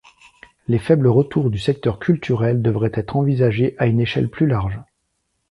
Les faibles retours du secteur culturel devraient être envisagés à une échelle plus large.